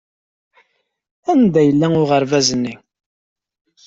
Anda yella uɣerbaz-nni?